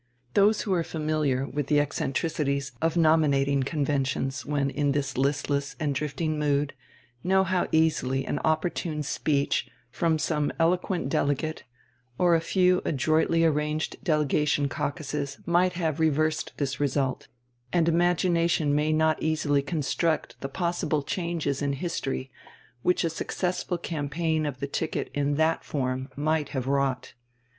Those who are familiar with the eccentricities of nominating conventions when in this listless and drifting mood know how easily an opportune speech from some eloquent delegate or a few adroitly arranged delegation caucuses might have reversed this result; and imagination may not easily construct the possible changes in history which a successful campaign of the ticket in that form might have wrought.